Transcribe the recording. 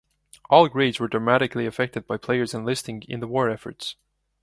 All grades were dramatically affected by players enlisting in the war efforts.